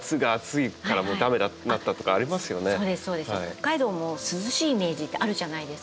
北海道も涼しいイメージってあるじゃないですか。